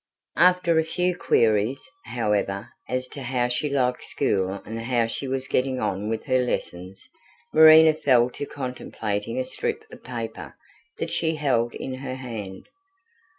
After a few queries, however, as to how she liked school and how she was getting on with her lessons, Marina fell to contemplating a strip of paper that she held in her hand.